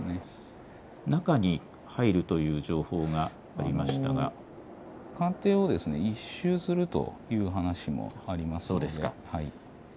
中に入るという情報がありましたが官邸を一周するという話もあります。